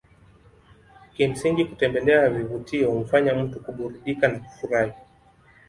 Kimsingi kutembelea vivutio humfanya mtu kuburudika na kufurahi